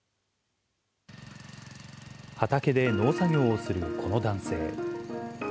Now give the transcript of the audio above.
畑で農作業をするこの男性。